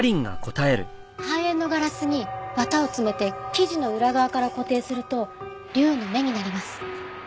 半円のガラスに綿を詰めて生地の裏側から固定すると龍の目になります。